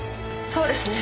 そうですね。